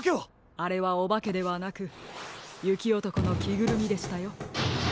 あれはおばけではなくゆきおとこのきぐるみでしたよ。